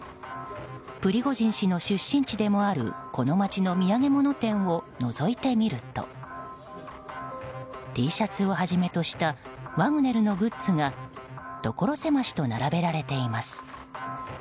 プリゴジン氏の出身地でもあるこの街の土産物店をのぞいてみるとＴシャツをはじめとしたワグネルのグッズがところ狭しと並べられています。